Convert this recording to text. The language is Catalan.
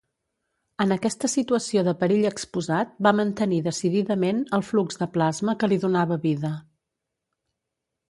En aquesta situació de perill exposat, va mantenir decididament el flux de plasma que li donava vida.